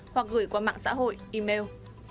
hoặc gửi qua mạng xã hội email